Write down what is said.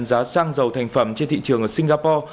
giá xăng dầu thành phẩm trên thị trường ở singapore